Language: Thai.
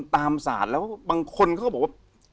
ตามศาลแล้วบางคนเขาก็บอกว่า